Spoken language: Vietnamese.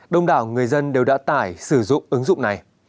đông đảo người dân đều đã tải sử dụng ứng dụng này